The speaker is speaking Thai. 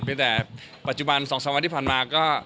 แต่แต่ปัจจุบันสองสามวันที่ผ่านมาก็